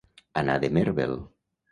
Anar de mèrvel.